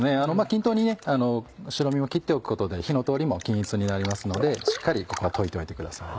均等に白身も切っておくことで火の通りも均一になりますのでしっかりここは溶いておいてください。